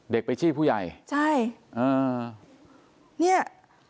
เด็กไปจี้ผู้ใหญ่ใช่เนี่ย